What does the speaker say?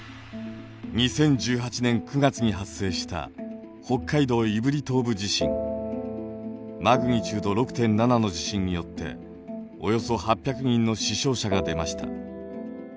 ２０１８年９月に発生したマグニチュード６．７の地震によっておよそ８００人の死傷者が出ました。